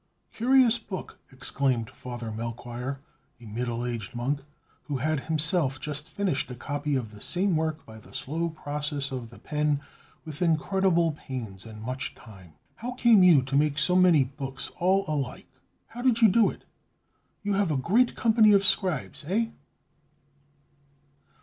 "Curious book!" exclaimed Father Melchoir, a middle aged monk, who had himself just finished a copy of the same work, by the slow process of the pen, with incredible pains and much time. "How came you to make so many books all alike? How did you do it? You have a great company of scribes, eh?"